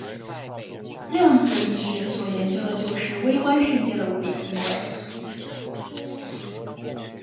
量子力学所研究的就是微观世界的物理行为。